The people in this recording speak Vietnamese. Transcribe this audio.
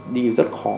đi rất khó